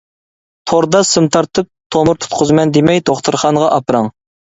توردا سىم تارتىپ تومۇر تۇتقۇزىمەن دېمەي دوختۇرخانىغا ئاپىرىڭ.